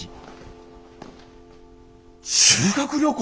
修学旅行！？